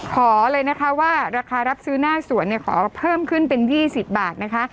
ขอเลยนะคะว่าราคารับซื้อหน้าสวนขอเพิ่มขึ้นเป็น๒๐บาทนะคะ